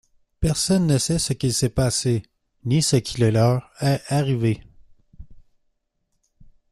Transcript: Personne ne sait ce qu'il s'est passé, ni ce qui leur est arrivé.